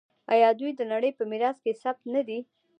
آیا دوی د نړۍ په میراث کې ثبت نه دي؟